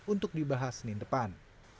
untuk dibahas senin depan